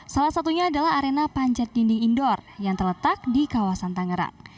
salah satunya adalah arena panjat dinding indoor yang terletak di kawasan tangerang